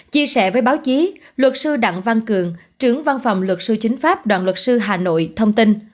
chia sẻ với báo chí luật sư đặng văn cường trưởng văn phòng luật sư chính pháp đoàn luật sư hà nội thông tin